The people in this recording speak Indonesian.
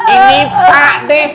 ini pak d